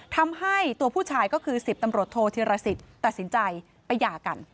ทำให้ตัวผู้ชายก็คือ๑๐ตำรวจโทษธิรสิทธิ์ตัดสินใจไปหย่ากัน